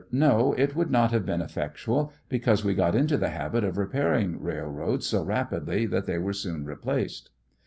No ; it would not have been eifectual, because we got into the habit of repairing railroads so rapidly that they were soon replaced.